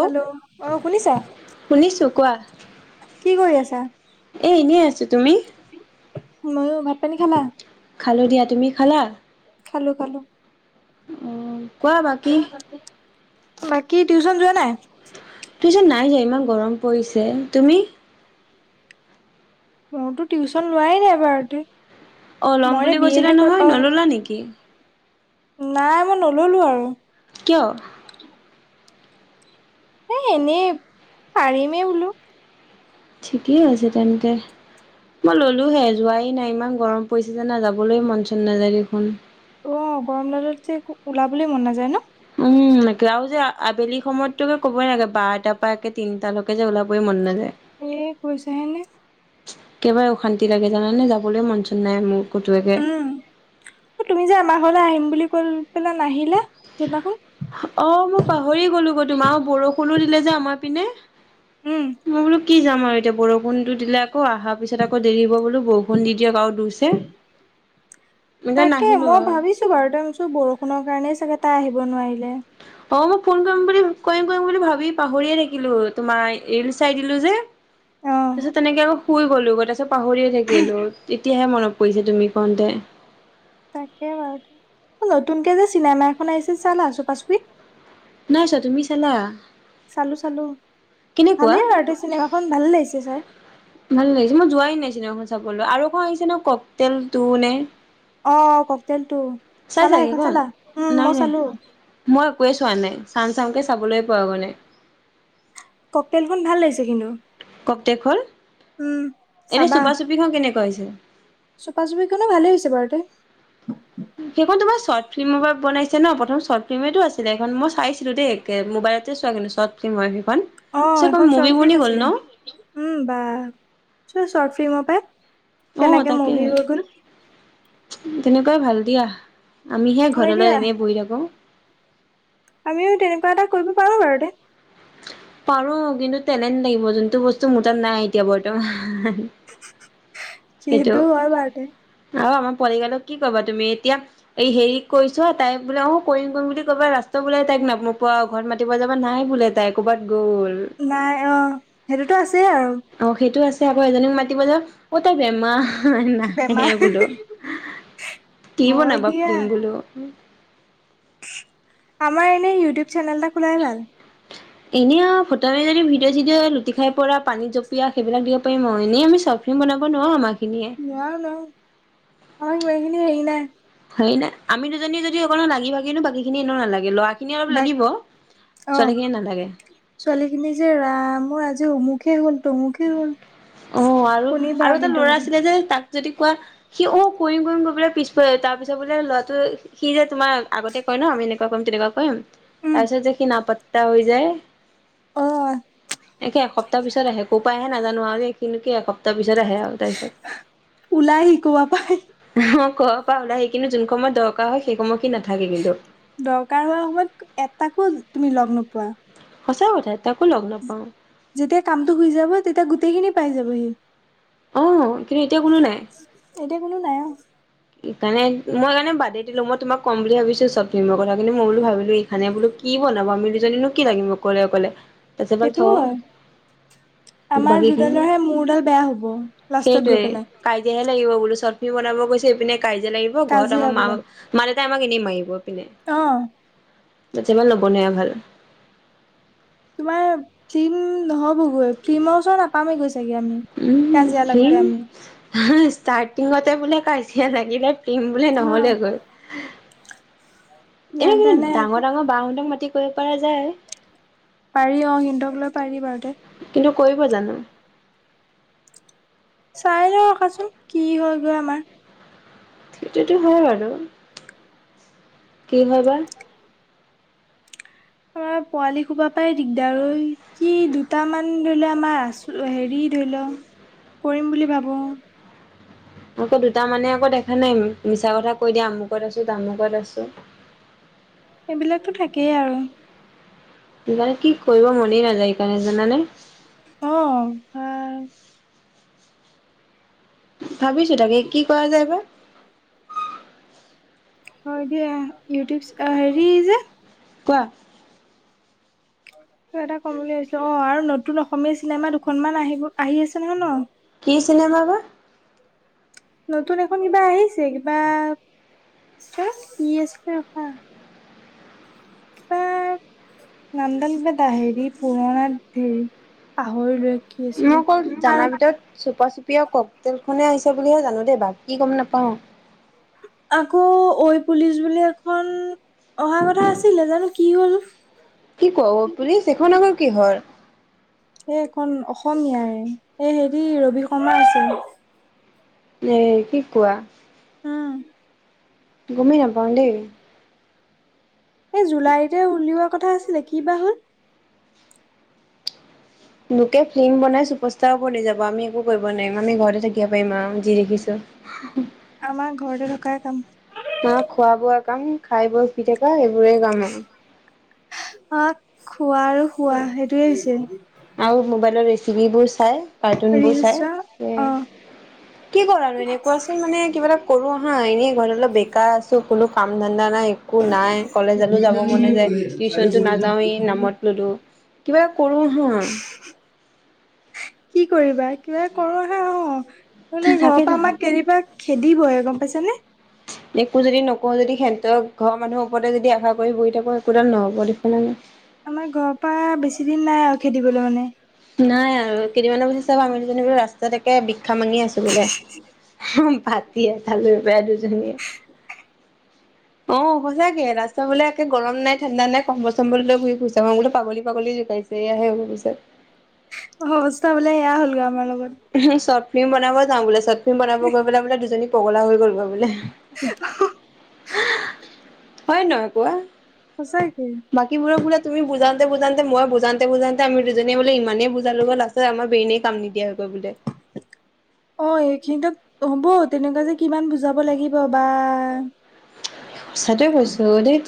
Hello অ', শুনিছা? শুনিছোঁ কোৱা কি কৰি আছা? এ, এনেই আছো। তুমি? ময়ো। ভাত পানী খালা? খালোঁ দিয়া। তুমি খালা? খালোঁ খালোঁ। উ, কোৱা বাকী? বাকী, টিউচন যোৱা নাই? টিউচন নাই যোৱা ইমান গৰম পৰিছে। তুমি? মোৰতো টিউচন লোৱাই নাই বাৰুতে। অ ল'ম মইৰে বুলি কৈছিলা বিয়হে, নহয় নল'লা অ' নেকি নাই মই নল'লো আৰু। কিয়? এ, এনেই, পাৰিমেই বোলো। ঠিকেই আছে তেন্তে। মই ললোহে যোৱাই নাই, ইমান গৰম পৰিছে জানা যাবলৈ মন চন নাযায় দেখোন। অ' গৰম ডালত যে একো, ওলাবলৈ মন নাযায় ন'? উম। এতিয়াও যে আবেলি সময়ততোকে ক'বই নালাগে, বাৰটটা পৰা একে তিনটালৈকে যে ওলাবই মন নাযায়। এ, কৈছেহে এনে। একেবাৰে অশান্তি লাগে জানানে, যাবলৈ মন চন নাই মোৰ কটোৱেকে। অ' তুমি যে আমাৰ ঘৰলৈ আহিম বুলি কৈ পেলাই নাহিলা, সেদিনাখন। অ' মই পাহৰি গ'লো গৈ তোমাৰ আৰু বৰষুণো দিলে যে আমাৰ পিনে। উম মই বোলো কি যাম আৰু এতিয়া বৰষুণটো দিলে, আকৌ আহাৰ পিছত আকৌ দেৰি হ'ব বোলো, বৰষুণ দি দিয়ক আৰু দোৰছে। [inaudible] তাকে মই ভাবিছোঁ বাৰুতে [unintelligible] বৰষুণৰ কাৰণেই চাগে তাই আহিব নোৱাৰিলে। অ' মই ফোন কৰিম বুলি, কৰিম কৰিম বুলি ভাবি পাহৰিয়ে থাকিলোঁ, তোমাৰ ৰীল চাই দিলোঁ যে। অ'। তাৰপিছত তেনেকে [unintelligible] শুই গ'লোঁ তাৰপিছত পাহৰিয়ে থাকিলোঁ, তেতিয়াহে মনত পৰিছে তুমি কওঁতে। তাকে বাৰুতে। নতুনকে যে চিনেমা এখন আহিছে চালা চুপা চুপি? নাই চোৱা। তুমি চালা? চালোঁ চালোঁ, কেনেকুৱা ভালেই বাৰুতে, চিনেমাখন ভাল লাগিছে চাই। ভাল লাগিছে, মই যোৱাই নাইচিনাখন চাবলৈ আৰু এখন আহিছে ন' কক তেল টো নে অ' ককতেল টু। চালা সেইখন চালা? উম, নাই মই নাই চালোঁ। মই একোৱে চোৱা নাই চাম চামকে চাবলৈ পোৱা গৈ নাই। কক তেলখন ভাল লাগিছে কিন্তু। ককটেক হ'ল উম এনেই চুপা চুপিখন কেনেকুৱা হৈছে? চোপা চুপিখনে ভালেই হৈছে বাৰুতে। সেইখন তোমাৰ চৰ্ট ফিল্মৰ পৰা বনাইছে ন প্ৰথম শৰ্ট ফিল্মেতটো আছিলে সখন মই চাইছিলো দেই একে মোবাইলত। তে চোৱা কিন্তু চব ফ্লিম হয় সেইখন অ তাৰপিছত সেখন মুভি চৰ্ট বনি ফিল্ম গ'ল ন আছিলে উম বা চোৱা চৰ্ট ফিল্মৰ পাই আহ কেনেকে তাকে মুভি হৈ গ'ল তেনেকুৱাই ভাল দিয়া। আমিহে হয় দিয়া ঘৰলৈ এনেই বহি থাকো। আমিও তেনেকুৱা এটা কৰিব পাৰো বাৰু দে। পাৰো কিন্তু তেলেন লাগিব যোনটো বস্তু মোৰ তাত নাই এতিয়া বৰ্তমান। কিন্তু হয় বাৰতে। আও আমাৰ পোৱালি গালক কি কবা তুমি এতিয়া এই হেৰি কৰিছোৱা তাইক বোলে অ কৰিম কৰিম বুলি ক'বা ৰাস্তত বোলে তাইক নপোৱা অ। ঘৰত মাতিব যাবা নাই বোলে তাই ক'ৰবাত গ'ল। নাই অ সেইটোতো আছে আৰু। অ সেইটো আছে আকৌ এজনীক মাতিব যা তাই বেমা হ নাহে বেমাৰ বোলো কি হয় বনাবা ফ্লিম দিয়া বোলো। আমাৰ এনেই ইউটিউব চেনেল এটা খোলাই ভাল। এনেই আও ফটোৱামি যদি ভিডিঅ' চিডঅ' লুটি খাই পৰা পানীত জপিয়ীয়া সেইবিলাক দিব পাৰিম আও এনেই আমি চ- বনাব নোৱাৰো আমাৰ খিনিয়ে নোৱাও নোৱাও অ ইমানখিনি সেই নাই। সেই নাই আমি দুজনী যদি অকণমান লাগি ভাগি দো বাকী খিনি এনে নালাগে লৱা বাক অ নালাগে ছোৱালীখিনি যে ৰাম আজি অমুখে হ'ল। তমুখে হ'ল অ' আৰু কনি আৰু বাগ এটা ইন্ট ল'ৰা বাটে আছিলে যে তাক যদি কোৱা সি অ কৰিম কৰিম কৰি কপেলাই পিছ পেলায় তাৰ পিছত বোলে ল'ৰাটোৱে সি যে তোমাক আগতে কয় ন আমি এনেকুৱা কৰিম তেনেকুৱা কৰিম উম তাৰপিছত যে সি নাপত্তা হৈ যায়। অ একে এসপ্তাহ পিছত আহে। এহে নাজানো আও দেই কিনু কি এসপ্তাহ পিছত আহে আও তাইছত। ওলাই শিকোৱা পাই অ ক পা ওলায় আহি কিনু যোন সময়ত দৰকাৰ হয় সেই সময় সি নাথাকে কিন্তু। দৰকাৰ হোৱা সময়ত এটাকো তুমি লগ নোপোৱা। সঁচা কথা এটাকো লগ নাপাওঁ। যেতিয়া কামটো হৈ যাব তেতিয়া গোটেইখিনি পাই যাবহি। অ কিন্তু এতিয়া কোনো নাই। এতিয়া কোনো নাই অ। সিকাণে মই সেকাণে বাদে দিলো মই তোমাক কম বুলি ভাবিছো চৰ্ট ফ্লিমৰ কথা কিন্তু মই বোলো ভাবিলো ই খানে বোলো কি বনাব আমি দুজনীনো কি লাগিম অকলে অকলে তাছত বাল থ। সেইটোও হয় আমাৰ বাকীখিনি দুডালৰহে মোৰডাল বেয়া হব লাষ্টত গৈ পেলাই। তেতিয়াহে লাগিব বোলো চৰ্ট ফ্লিম বনাব গৈছো এইপিনে কাজিয়া লাগিব ঘৰত কাজিয়া আমাৰ মা বোলে [unintelligible] মা-দেউতাই আমাক এনেই মাৰিব এপিনে। অ। দেতিয়াবা নবনিয়া ভাল। তোমাৰ ফ্লিম নহ'বগৈ ফ্লিমৰ ওচৰত নাপামেই গৈ চাগে আমি। উম কাজিয়া লাগোতে ফিল্মছ আমি ষ্টাৰ্টিঙতে বোলে কাজিয়া লাগিলে ফিল্ম বোলে নহ'লেগৈ যেনে এনে তেনে কিন্তু ডাঙৰ ডাঙৰ বান্ধক মাতি কৰিব পৰা যায় পাৰি অ সিহতক লৈ পাৰি বাৰু তে কিন্তু কৰিব জানো চাইলও ৰখাচোন কি হয় গৈ আমাৰ সেইটোতো হয় বাৰু কি হয় বা আমাৰ পোৱালি সোপা পাই দিগদাৰ এই কি দুটামান ধৰিলে আমাৰ আছো হেৰি ধৰিলও কৰিম বুলি ভাবো আকৌ দুটা মানে আকৌ দেখা নাই মিছা কথা কৈ দিয়া আমুকত আছো তামুকত আছো এইবিলাকতো থাকেই আৰু সেইকাৰণে কি কৰিব মনেই নাযায় সেইকাৰণে জানানে অ ভাবিছো তাকে কি কৰা যায় বা হয় দিয়া ইউটিউব হেৰি যে কোৱা কিবা এটা কম বুলি ভাবিছিলো অ আৰু নতুন অসমীয়া চিনেমা দুখনমান আহিব আহি আছে নহয় ন কি চিনেমা বা নতুন এখন কিবা আহিছে কিবা কি আছিলে ৰখা কিবা নামডাল কিবা দা এটা হেৰি পুৰণা ধেৰি পাহৰিলোৱে কি মই আছিলে অকল আৰু জানাৰ ভিতৰত চুপা চুপি আৰু ককতেল খনে আহিছে বুলিহে জানো দেই বাকি গম নাপাও আকৌ ঐ পুলিচ বুলি এখন অহা কথা আছিলে জানো কি হ'ল কি কও ঐ পুলিচ এইখন আকৌ কিহৰ এই এখন অসমীয়াৰে এ হেৰি ৰবি শৰ্মা আছিল এই কি কোৱা উম গমেই নাপাওঁ দেই এই জুলাইতে উলিওৱা কথা আছিলে কিবা হ'ল লোকে ফ্লিম বনাই ছুপাৰষ্টাৰৰ বনি যাব আমি একো কৰিব নোৱাৰিম আমি ঘৰতে থাকিব পাৰিম আও যি দেখিছোঁ [inaudible] আমাৰ ঘৰতে থকাই কাম আমাৰ খোৱা বোৱা কাম খাই বৈ শুই থকা এইবোৰে কাম আও অ খোৱা আৰু শুৱা সেইটোৱেই হৈছে আও মোবাইলত ৰেচিপিবোৰ চাই কাৰ্টুনবোৰ ৰিলচ চাই চোৱা কি কৰানো এনেই কোৱাচোন মানে কিবা এটা কৰো আহা এনেই ঘৰত অলপ বেকাৰ আছো কোনো কাম ধান্দা নাই একো নাই কলেজতো যাব মনে নেযায় টিউচনটো অ নাযাওৱেই নামত ললো কিবা কৰো হ কি কৰিবা কিবা কৰো আহা অহ বোলে এই থাকে ঘৰৰ পৰা দেখোন আমাক কেতিয়িবা খেদিবহে গম পাইছা নে? একো যদি নকওঁ যদি হেতৰ ঘৰৰ মানুহৰ ওপৰতে যদি আশা কৰি বহি থাকো একোডাল নহ'ব দেখো না নে আমাৰ ঘৰৰ পৰা বেছি দিন নাই আৰু খেদিবলৈ মানে নাই আৰু কেইদিনমানৰ পাছত চাবা আমি দুজনী বোলো ৰাস্তাত একে বিখ্যা মাঙি আছো বোলে বাটি এটা লৈ পেলাই দুজনীয়ে [inaudible] অঁ, সঁচাকে ৰাস্তা বোলে একে গৰম নাই ঠাণ্ডা নাই কম্বল চম্বৰলৈ ঘুৰি ফুৰিছে মই বোলো পাগলী পাগলী জোকাইছো। সয়াহে অ পিছত। অ অৱস্থা বোলে সেয়া হ'ল গৈ আমাৰ লগত। চৰ্ট ফিল্ম বনাব যাওঁ বোলে চৰ্ট ফিল্ম বনাবলে বোলে দুজনী পগলা হৈ কৰিব বোলে। হয় নহয় কোৱা? সঁচাকেই। বাকীবোৰৰ বোৰা তুমি বুজানতে বুজানতেই মই বুজাওতে, আমি দুজনীয়ে বোলে ইমানেই বুজালোগে লাষ্টত আমাৰ ব্ৰেনে কাম নিদিয়া হৈ গল বোলে। অঁ, এইখিনিতক হ'ব তেনেকুৱা যে কিমান বুজাব লাগিব বা। সছাটয়ে কৈছো আৰু দেই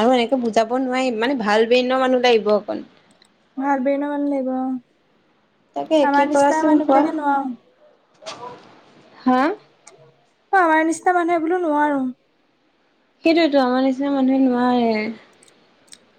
আৰু একো বুজাব নোৱাৰিম মানে ভাল ব্ৰেনৰ মানুহ লাগিব অকণ। ভাল ব্ৰেনৰ মানুহ লাগিব অ। তাকে কি কৰাচোন কোৱা বিলাকে নোৱাৰো হা। অঁ, আমাৰ নিচিনা মানুহে বোলো নোৱাৰো। সেইটোয়তো আমাৰ নিচিনা মানুহে নোৱাৰে।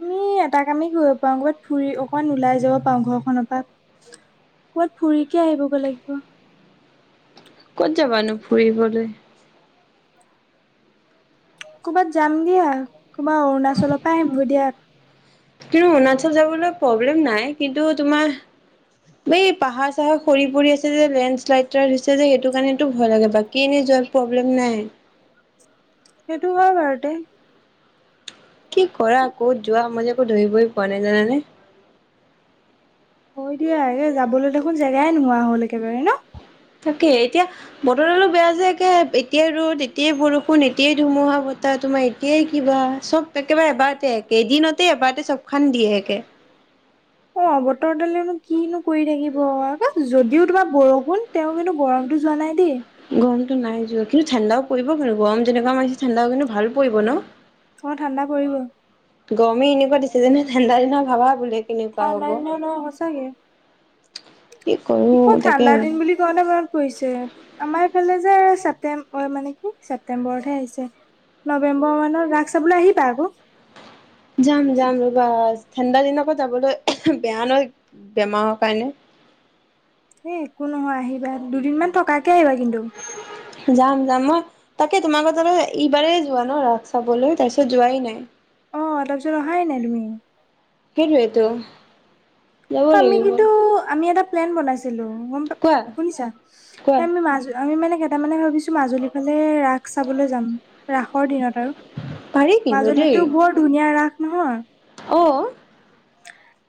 আমি এটা কামেই কৰিব পাৰাওঁ কবাত ফুৰি অকমান ওলাই যাব পাৰো ঘৰখনৰ পৰা। কবাত ফুৰিকে আহিবগৈ লাগিব। ক'ত যাবানো ফুৰিবলৈ? ক'বাত যাম দিয়া আৰু কবা অৰুণাচলৰ পৰা আহিমগৈ দিয়া। কিন্তু অৰুণাচল যাবলৈ প্ৰব্লেম নাই কিন্তু তোমাৰ। এই পাহাৰ চাহাৰ সৰি পৰি আছে যে লেণ্ডশ্লাইড এটা দি হৈছে যে সেইটো কাৰণেতো ভয় লাগে বাকী এনেই যোৱা প্ৰব্লেম নাই। সেইটো হয় বাৰুতে। কি কৰা ক'ত যোৱা মইজে যে একো ধৰিবই পোৱা নাই জানানে? হয় দিয়া। এই যাবলৈ দেখোন জেগাই নোহোৱা হ'ল একেবাৰে ন? তাকে এতিয়া বতৰ দালো বেয়া যে একে এতিয়াই ৰ'দ এতিয়াই বৰষুণ এতিয়াই ধুমুহা বতাহ তোমাৰ একেই কিবা চব একেবাৰে এবাৰতে একেদিনতেই এবাৰতে চবখন দিয়ে একে। অঁ, বতৰ দালনো কিনো কৰি থাকিব যদিও তোমাৰ বৰষুণ তেওঁ কিন্তু গৰমতো যোৱা নাই দেই। গৰমতটো নাই যোৱা কিন্তু ঠাণ্ডাও পৰিব কিন্তু গৰম যেনেকুৱা মাৰিছে ঠাণ্ডা কিন্তু ভাল পৰিব ন? অঁ, ঠাণ্ডা পৰিব। গৰমে এনেকুৱা দিছে যেনে ঠাণ্ডা দিনা ভাবা বোলে। কেনেকুৱা ঠাণ্ডা হব দিন ন সঁচাকে কি কৰো তাকে ভাবি স মনত পৰিছে আমাৰ ইফালে যে ছেপটম্ব মানে কি ছেপ্তেম্বৰতহে আহিছে। নৱেম্বৰ মানত ৰাস চাবলৈ আহিবা আকৌ। যাম যাম ৰবা ঠাণ্ডা দিনক যাবলৈ বেয়া নয় বেমাৰৰ কাৰণে। হে একো নহয় আহিবা দুদিনমান থকাকে আহিবা কিন্তু। যাম যাম মই তাকে তোমাৰত এইবাৰেই যোৱা ন ৰাস চাবলৈ তাৰপিছত যোৱাই নাই। অঁ তাৰপিছত অহাই নাই তুমি। সেইটোৱেটো। আমি কিন্তু আমি এটা প্লেন বনাইছিলো গম কোৱা শুনিছা কোৱা আমি মাজ আমি মানে কেইটামানে ভাবিচো মাজুলী ফালে ৰাস চাবলৈ যাম ৰাসৰ দিনত আৰু। পাৰি কিন্তু মাজুলীটো বৰ ধুনীয়া ৰাস নহয়। অঁ।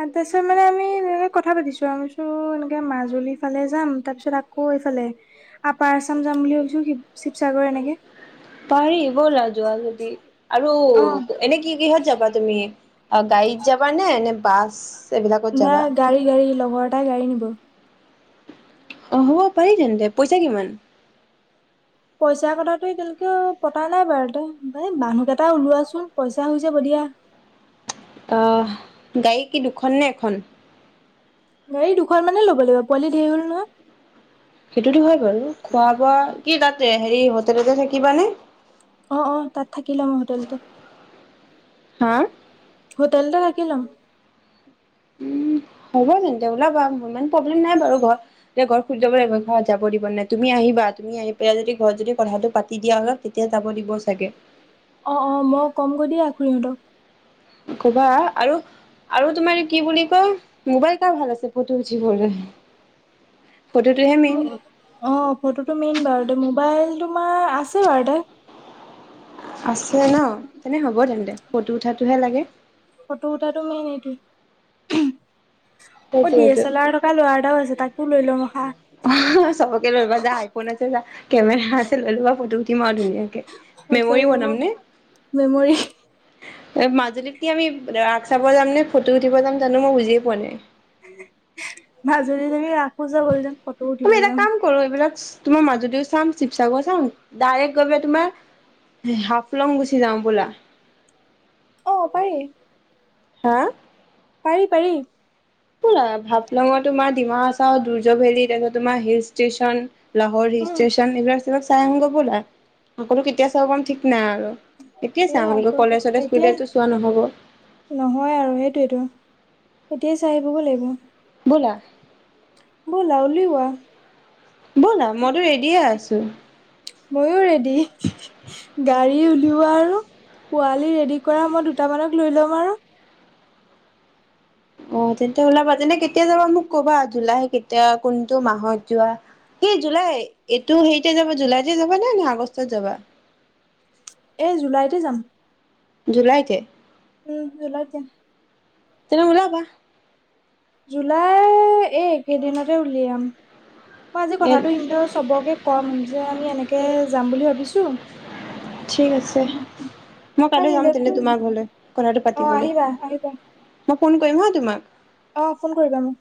তাৰপিছত মানে আমি কথা পাতিছু আমিতো এনেকে মাজুলীফালে যাম তাৰপিছত আকৌ এইফালে আপাৰ আছাম যাম বুলি ভাবিছু শিৱসাগৰ এনেকে পাৰি ব'লা যোৱা যদি, আৰু অ এনেক কি-কিহত যাবা তুমি? গাড়ীত যাবা নে? নে বাছ- এইবিলাকত না, যাবা গাড়ী গাড়ী লগৰ এটাই গাড়ী নিব। অ হব পাৰি তেন্তে, পইচা কিমান? পইচাৰ কথাটো এতিয়ালৈকে পতা নাই বাৰুতে, এ মানুহকেইটা ওলোৱাচোন, পইচা হৈ যাব দিয়া। আ'হ, গাড়ী কি দুখন নে এখন? গাড়ী দুখন মানে ল'ব লাগিব পোৱালি ধেয়ি হ'ল নহয়। সেইটো হয় বাৰু, খোৱা-বোৱা, কি তাতে হেৰি হোটেলতে থাকিবা নে? অঁ অঁ তাত থাকি লম হোটেলতে। হাঁ'? হোটেলতে থাকি লম। উ', হ'ব তেন্তে উলাবা ইমান প্ৰব্লেম নাই বাৰু ঘৰত। যে ঘৰত সুইত যাব লাগিব ঘৰত যাব দিব নে নাই? তুমি আহিবা, তুমি আহি পেলাই যদি ঘৰত যদি কথাটো পাতি দিয়া অলপ তেতিয়া যাব দিব চাগে! অ-অ মই কমগৈ দিয়া খুড়িহতক। কবা আৰু আৰু তোমাৰ কি বুলি কয়, মোবাইল কাৰ ভাল আছে ফটো উঠিবলৈ। [inaudible] ফটোটোহে মেইন। অঁ ফটো টো মেইন বাৰু দে মোবাইল তোমাৰ আছে বাৰু তে আছে ন'? তেনে হ'ব তেন্তে, ফটো উঠাটুহে লাগে। ফটো উঠাটো মেইন নেকি? অ ডি এ সেইটোৱেটো চেলাৰ থক- কা ল'ৰা এটাও আছে তাকো লৈ লওঁ হাঁ। চবকে লৈবা যা আইফোন আছে যা, কেমেৰা আছে লৈ লৱা ফটো উঠিম আও ধুনীয়াকে। মেমৰি সঁচাকে অ বনাম নে? মেমৰি এ মাজুলীত কি আমি ৰাশ চাব যাম নে ফটো উঠিব যাম জানু মই বুজিয়ে পোৱা নাই? মাজুলী তুমি ৰাখো ছাৱল যাম ফ- আমি এটা কাম কৰো এইবিলাক তোমাৰ মাজুলীও চাম, চিৱসাগৰো চাম ডাইৰেক্ গৈ পেলাই তোমাৰ হাফলং গুচি যাওঁ ব'লা। অ' পাৰি। হা? পাৰি পাৰি। হাফলঙৰ তোমাৰ ডিমা-হাছাও দুৰ্য ভেলী তাৰছত তোমাৰ হিল ষ্টেচন লাহৰ উম হিষ্টেচন এইিলাক চব চাই আহু গৈ বলা। সকলো কেতিয়া চাব পাম ঠিক নাই আৰু! এতিয়াই এই চাওঁগৈ আকৌ কলেজ-চলেজ এতিয়া খুলিলেতু চোৱা নহ'ব। নহয় আৰু সেইটোৱেতো, এতিয়াই চাই আহিবগৈ লাগিব। ব'লা! ব'লা উলিওৱা! ব'লা! মইতু ৰেডিয়ে আছো। মইয়ো ৰেডি। গাড়ী উলিওৱা আৰু, পোৱালী ৰেডি কৰা মই দুটামানক লৈ লম আৰু অ তেন্তে ওলাবা তেনে কেতিয়া যাবা মোক কবা! জুলাই কেতিয়া কোনটো মাহত যোৱা সেই জুলাই, এইটো হেৰিতে যাবা জুলাইতে যাবা নে? নে আগষ্টত যাবা? এই, জুলাইতে যাম। জুলাইতে? উম, জুলাইত যাম। তুমি ওলাবা? জুলাইৰ, এই কেইদিনতে উলিয়াম। মই আজি ইয়াত কথাটো ইহঁতৰ চবকে কম যে, আমি এনেকে যাম বুলি ভাবিছোঁ! ঠিক আছে। মই আৰু কাইলৈ যাম তেনে, সিহঁতেতো তোমাৰ ঘৰলৈ। কথাটো অ পাতিবলৈ, আহিবা আহিবা মই ফোন কৰিম হা তোমাক? অ'! ফোন কৰিবা মোক।